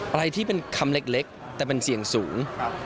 อะไรที่เป็นคำเล็กแต่มันเสี่ยงสูง